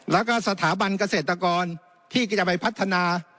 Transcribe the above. แล้วก็สถาบันเกษตรกรที่จะไปพัฒนา